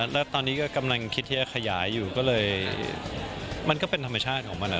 แล้วตอนนี้ก็กำลังคิดที่จะขยายอยู่ก็เลยมันก็เป็นธรรมชาติของมัน